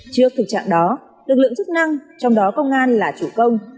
trước thực trạng đó lực lượng chức năng trong đó công an là chủ công